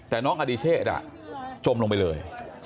แต่น้องอดิเชษจมลงไปเลย